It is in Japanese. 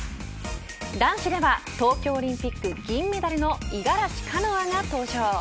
男子では東京オリンピック銀メダルの五十嵐カノアが登場。